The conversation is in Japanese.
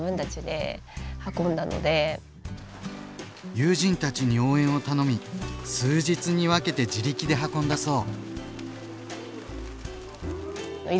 友人たちに応援を頼み数日に分けて自力で運んだそう。